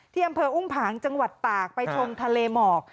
อำเภออุ้งผางจังหวัดตากไปชมทะเลหมอก